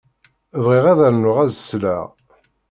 Bɣiɣ ad rnuɣ ad sleɣ.